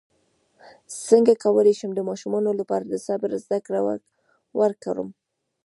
څنګه کولی شم د ماشومانو لپاره د صبر زدکړه ورکړم